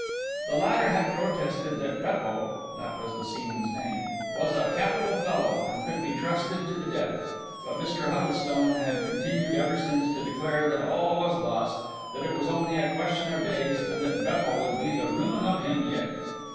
The latter had protested that Beppo (that was the seaman's name) was a capital fellow, and could be trusted to the death; but Mr. Huddlestone had continued ever since to declare that all was lost, that it was only a question of days, and that Beppo would be the ruin of him yet.